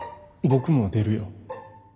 僕も出るよ。